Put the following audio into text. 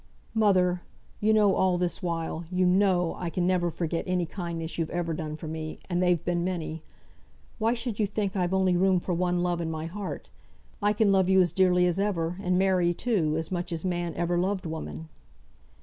"Mother! you know all this while, you know I can never forget any kindness you've ever done for me; and they've been many. Why should you think I've only room for one love in my heart? I can love you as dearly as ever, and Mary too, as much as man ever loved woman."